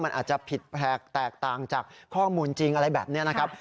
มันอาจจะผิดแผลกแตกต่างจากข้อมูลจริงอะไรแบบนี้นะครับ